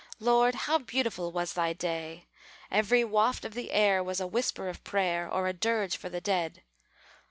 Lord, how beautiful was Thy day! Every waft of the air Was a whisper of prayer, Or a dirge for the dead.